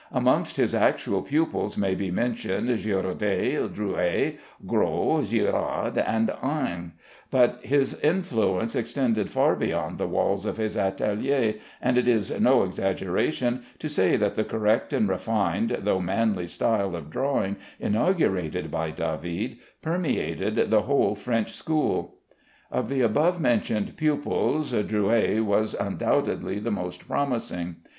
Amongst his actual pupils may be mentioned Girodet, Drouais, Gros, Gérard, and Ingres; but his influence extended far beyond the walls of his atélier, and it is no exaggeration to say that the correct and refined though manly style of drawing inaugurated by David permeated the whole French school. Of the above mentioned pupils Drouais was undoubtedly the most promising.